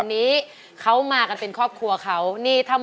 ใบเตยเลือกใช้ได้๓แผ่นป้ายตลอดทั้งการแข่งขัน